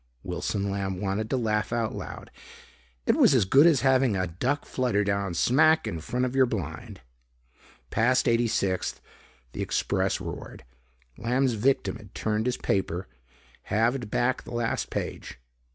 Wilson Lamb wanted to laugh out loud; it was as good as having a duck flutter down smack in front of your blind. Past 86th, the Express roared. Lamb's victim had turned his paper, halved back the last page.